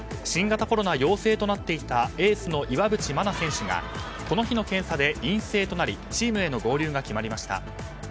新型コロナ陽性となっていたエースの岩渕真奈選手がこの日の検査で陰性となりチームへの合流が決まりました。